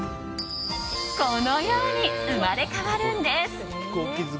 このように、生まれ変わるんです。